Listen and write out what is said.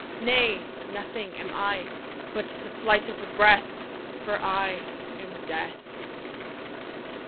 Nay; nothing am I, But the flight of a breath For I am Death!